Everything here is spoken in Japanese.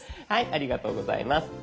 ありがとうございます。